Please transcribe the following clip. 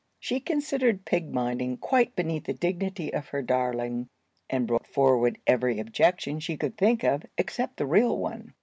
She considered pig minding quite beneath the dignity of her darling, and brought forward every objection she could think of except the real one.